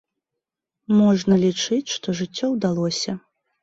Можна лічыць, што жыццё ўдалося.